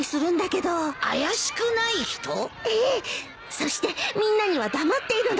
そしてみんなには黙っているの。